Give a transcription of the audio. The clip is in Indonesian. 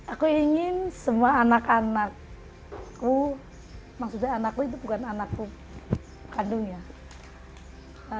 aku ingin semua anak anakku maksudnya anakku itu bukan anakku kandung ya